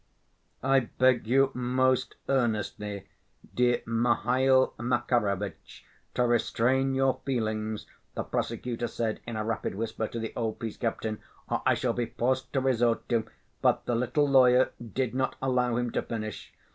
"I beg you most earnestly, dear Mihail Makarovitch, to restrain your feelings," the prosecutor said in a rapid whisper to the old police captain, "or I shall be forced to resort to—" But the little lawyer did not allow him to finish.